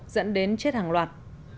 dẫn đến chết hàng loạt